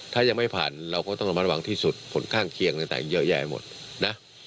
ถ้ายังไม่ผ่านเราก็ต้องระมัดระวังที่สุดผลข้างเคียงต่างเยอะแยะหมดนะ